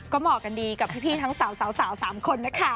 ก็เหมาะกันดีกับพี่ทั้งสาว๓คนนะคะ